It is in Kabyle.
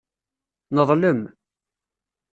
Neḍlem.